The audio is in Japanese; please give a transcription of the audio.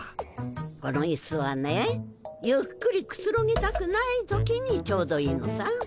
このイスはねゆっくりくつろぎたくない時にちょうどいいのさ。